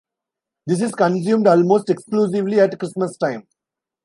This is consumed almost exclusively at Christmas time.